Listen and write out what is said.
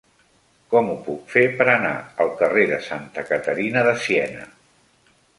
Com ho puc fer per anar al carrer de Santa Caterina de Siena?